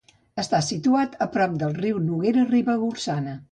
Està situat a prop del riu Noguera Ribagorçana.